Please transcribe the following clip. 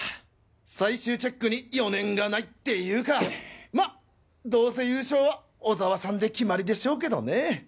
最終チェックに余念がないっていうかまどうせ優勝は小沢さんで決まりでしょうけどね。